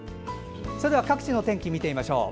それでは各地のお天気見てみましょう。